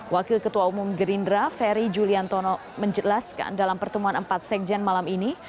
wakil ketua umum gerindra ferry juliantono menjelaskan dalam pertemuan empat sekjen malam ini